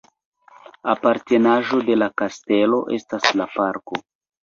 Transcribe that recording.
Apartenaĵo de la kastelo estas la parko.